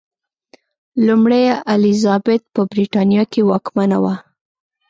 لومړۍ الیزابت په برېټانیا کې واکمنه وه.